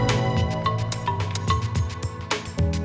yang bener yang jelas